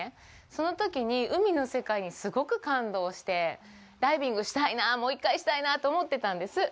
そのときに海の世界にすごく感動してダイビングしたいな、もう一回したいなと思ってたんです。